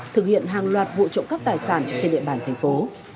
thực hiện hàng loạt vụ trụ cấp tài sản trên địa bàn thành phố